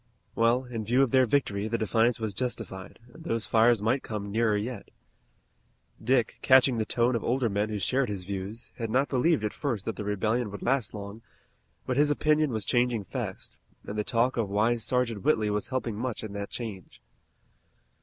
Well, in view of their victory, the defiance was justified, and those fires might come nearer yet. Dick, catching the tone of older men who shared his views, had not believed at first that the rebellion would last long, but his opinion was changing fast, and the talk of wise Sergeant Whitley was helping much in that change.